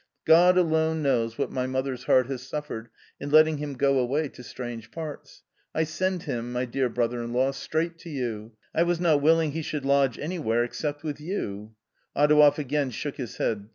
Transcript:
God alone knows what my mother's heart has suffered in letting him go away to strange parts. I send him, my dear brother in law, straight to you ; I was not willing he should lodge anywhere except with you " Adouev again shook his head.